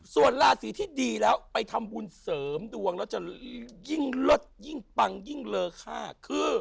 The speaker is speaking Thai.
ส่วนราศีที่ดีแล้วไปทำบุญเสริมดวงแล้วจะยิ่งเลิศยิ่งปังยิ่งเลอค่าคือ